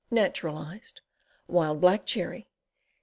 Naturalized. Wild Black Cherry.